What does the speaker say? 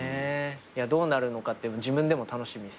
どうなるのかって自分でも楽しみですけど。